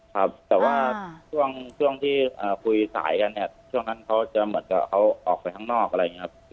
ครับแต่ว่าช่วงที่คุยสายกันเนี่ยช่วงนั้นเขาจะเหมือนกับเขาออกไปข้างนอกอะไรอย่างนี้ครับ